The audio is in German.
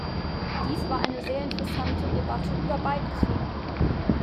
Dies war eine sehr interessante Debatte über beide Themen.